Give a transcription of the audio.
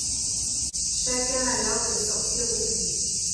Chacun alors de sortir au plus vite.